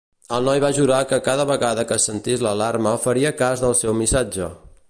El noi va jurar que cada vegada que sentís l'alarma faria cas del seu missatge.